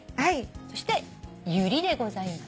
そしてユリでございます。